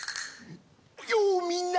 よおみんな！